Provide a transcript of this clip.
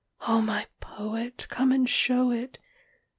O my poet, Come and show it!